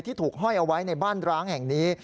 ถูกห้อยเอาไว้ในบ้านร้างแห่งนี้